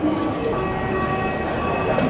สวัสดีครับ